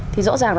thì rõ ràng là